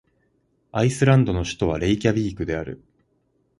アイスランドの首都はレイキャヴィークである